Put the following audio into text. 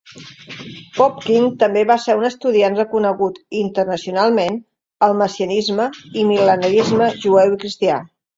Popkin també va ser un estudiant reconegut internacionalment al messianisme i mil·lenarisme jueu i cristià.